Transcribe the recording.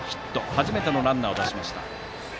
初めてのランナーを出しました。